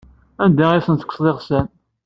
Anda ay asen-tekkseḍ iɣsan?